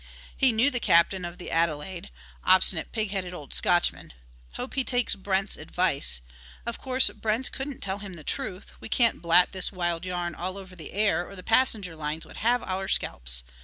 He knew the captain of the Adelaide. "Obstinate pigheaded old Scotchman!" "Hope he takes Brent's advice. Of course Brent couldn't tell him the truth. We can't blat this wild yarn all over the air or the passenger lines would have our scalps.